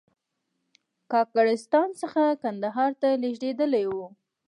کاکړستان څخه کندهار ته لېږدېدلی و.